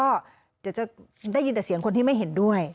เดี๋ยวจะได้ยินแต่เสียงคนที่ไม่เห็นด้วย